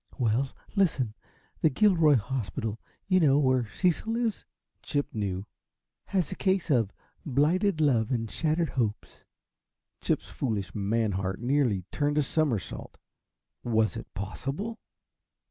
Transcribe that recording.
"Well, listen. The Gilroy hospital you know, where Cecil is" Chip knew "has a case of blighted love and shattered hopes" Chip's foolish, man heart nearly turned a somersault. Was it possible?